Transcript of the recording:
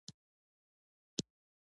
د یوې میاشتې معاش ورکول کېږي.